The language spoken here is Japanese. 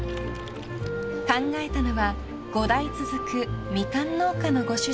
［考えたのは５代続くミカン農家のご主人］